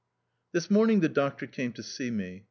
THIS morning the doctor came to see me.